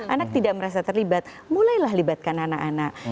anak tidak merasa terlibat mulailah libatkan anak anak